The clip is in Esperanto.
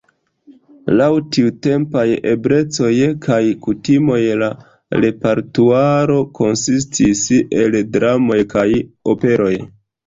Laŭ tiutempaj eblecoj kaj kutimoj la repertuaro konsistis el dramoj kaj operoj.